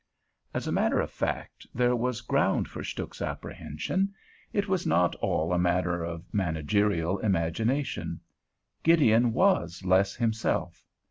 As a matter of fact, there was ground for Stuhk's apprehension. It was not all a matter of managerial imagination: Gideon was less himself.